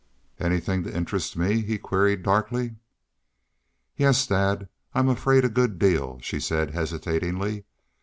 "Anythin' to interest me?" he queried, darkly. "Yes, dad, I'm afraid a good deal," she said, hesitatingly.